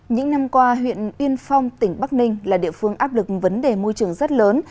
những năm qua huyện yên phong tỉnh bắc ninh là địa phương áp lực vấn đề môi trường rất lớn